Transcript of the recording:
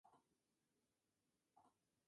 Se especializó en la familia de las cucurbitáceas.